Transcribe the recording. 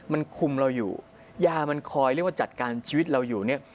มันคุมเราอยู่ยามันคอยเรียกว่าจัดการชีวิตเราอยู่เนี่ย